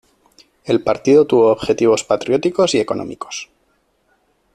El partido tuvo objetivos patrióticos y económicos.